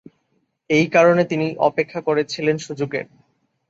এই কারণে তিনি অপেক্ষা করছিলেন সুযোগের।